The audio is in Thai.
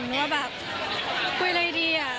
ว่าแบบคุยอะไรดีอะ